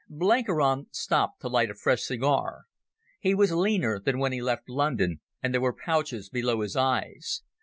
Blenkiron stopped to light a fresh cigar. He was leaner than when he left London and there were pouches below his eyes.